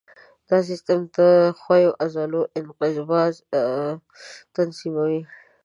دا سیستم د ښویو عضلو انقباض تنظیموي.